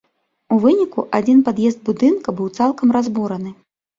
У выніку адзін пад'езд будынка быў цалкам разбураны.